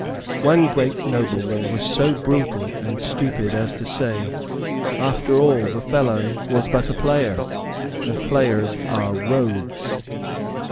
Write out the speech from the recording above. One great nobleman was so brutal and stupid as to say, "After all the fellow was but a player; and players are rogues."